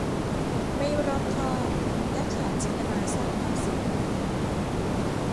ไม่รอบคอบและขาดเจตนาสร้างความเสียหาย